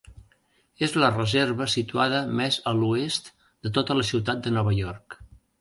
És la reserva situada més a l"oest de tota la ciutat de Nova York.